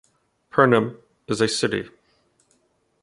Pernem is a city.